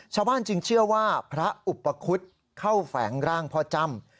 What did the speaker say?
ชาวบ้านจึงเชื่อว่าพระอุปคุฎเข้าแฝงร่างพ่อจ้ำ